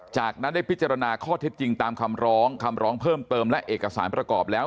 จากนั้นได้พิจารณาข้อเท็จจริงตามคำร้องคำร้องเพิ่มเติมและเอกสารประกอบแล้ว